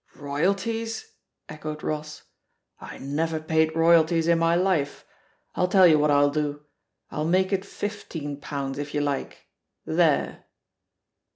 Royalties?" echoed Ross. "I never paid roy alties in my life. I'll tell you what I'll do, I'll make it fifteen pounds, if you like. There